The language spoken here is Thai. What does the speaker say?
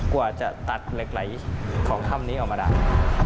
กว่าจะตัดเหล็กไหลของถ้ำนี้ออกมาได้